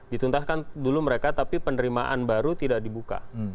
dituntaskan dulu mereka tapi penerimaan baru tidak dibuka